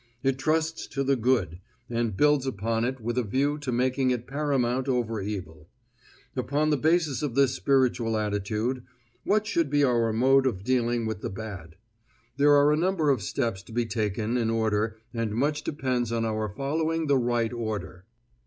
It trusts to the good, and builds upon it with a view to making it paramount over evil. Upon the basis of this spiritual attitude, what should be our mode of dealing with the bad? There are a number of steps to be taken in order, and much depends on our following the right order.